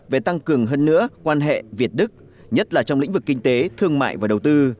về tăng cường hơn nữa quan hệ việt đức nhất là trong lĩnh vực kinh tế thương mại và đầu tư